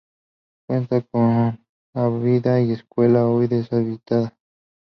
Cuenta con abadía y escuela, hoy deshabitada.